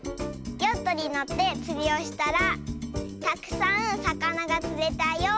「ヨットにのってつりをしたらたくさんさかながつれたよ」。